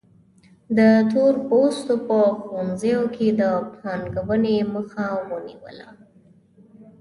د تور پوستو په ښوونځیو کې د پانګونې مخه ونیوله.